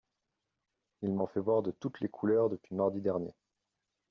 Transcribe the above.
Il m'en fait voir de toutes les couleurs depuis mardi dernier.